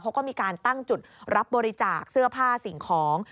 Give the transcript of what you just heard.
เขาก็มีการตั้งจุดรับบริจาคเสื้อผ้าสิ่งของ